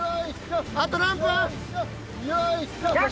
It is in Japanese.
あと何分？